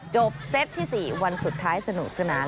เซตที่๔วันสุดท้ายสนุกสนาน